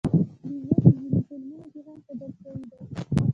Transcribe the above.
بیزو په ځینو فلمونو کې هم ښودل شوې ده.